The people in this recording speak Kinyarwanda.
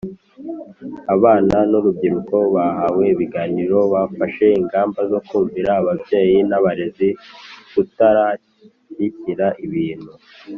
Abana n urubyiruko bahawe ibiganiro bafashe ingamba zo kumvira ababyeyi n abarezi kutararikira ibintu